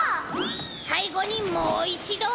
さいごにもういちど！